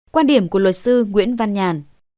quan điểm của luật sư nguyễn văn nhàn